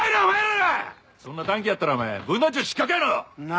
そんな短気やったらお前分団長失格やな！